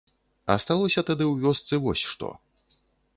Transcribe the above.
Асталося тады ў вёсцы вось што.